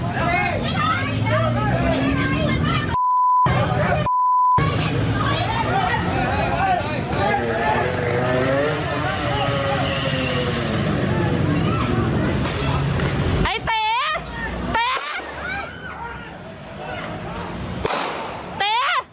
เตี๋เตี๋